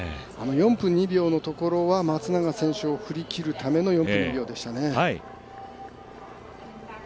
４分２秒のところは、松永選手を振り切るための４分２秒でしたね。